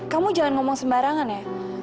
kamu jangan ngomong sembarangan ya